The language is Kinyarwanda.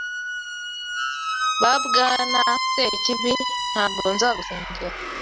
Ba Bwana Sekibi, ntabwo nzagusengera